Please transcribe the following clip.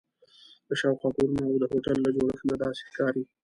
له شاوخوا کورونو او د هوټل له جوړښت نه داسې ښکاري.